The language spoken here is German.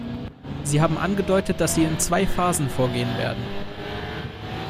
Sie haben angedeutet, dass Sie in zwei Phasen vorgehen werden.